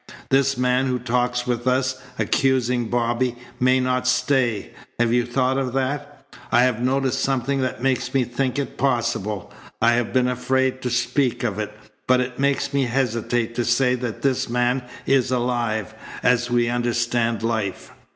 This man who talks with us, accusing Bobby, may not stay. Have you thought of that? I have noticed something that makes me think it possible. I have been afraid to speak of it. But it makes me hesitate to say that this man is alive, as we understand life.